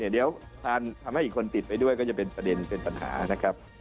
เดี๋ยวทำให้อีกคนติดไปด้วยก็จะเป็นประเด็นเป็นปัญหานะครับ